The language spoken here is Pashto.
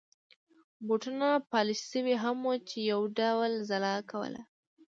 بوټونه پالش شوي هم وو چې یو ډول ځلا يې کول.